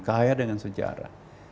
kaya dengan sejarah